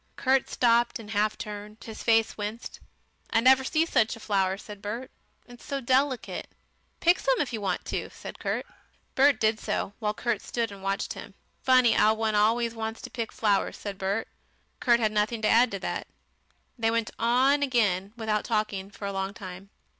Kurt stopped and half turned. His face winced. "I never see such a flower," said Bert. "It's so delicate." "Pick some more if you want to," said Kurt. Bert did so, while Kurt stood and watched him. "Funny 'ow one always wants to pick flowers," said Bert. Kurt had nothing to add to that. They went on again, without talking, for a long time.